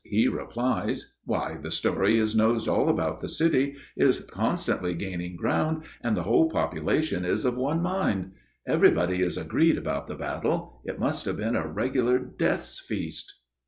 he replies, "Why the story is noised all about the city, is constantly gaining ground, and the whole population is of one mind; everybody is agreed about the battle; it must have been a regular Death's feast."